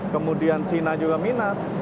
kemudian china juga minat